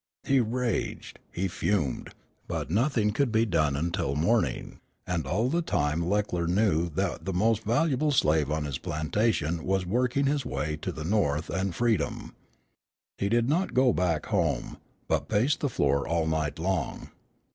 He raged; he fumed; but nothing could be done until morning, and all the time Leckler knew that the most valuable slave on his plantation was working his way toward the North and freedom. He did not go back home, but paced the floor all night long.